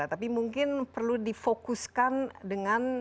tapi mungkin perlu difokuskan dengan